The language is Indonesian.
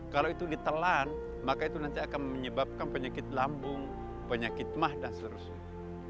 kalau itu ditelan maka itu nanti akan menyebabkan penyakit lambung penyakit mah dan seterusnya